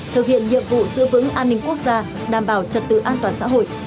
thực hiện nhiệm vụ giữ vững an ninh quốc gia đảm bảo trật tự an toàn xã hội